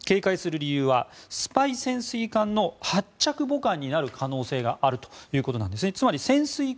警戒している理由はスパイ潜水艦の発着母艦になる可能性があるということなんです。